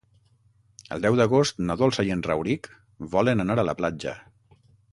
El deu d'agost na Dolça i en Rauric volen anar a la platja.